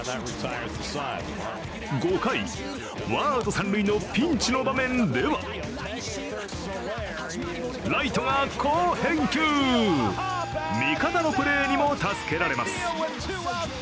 ５回、ワンアウト三塁のピンチの場面ではライトが好返球味方のプレーにも助けられます。